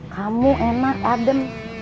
kamu enak adem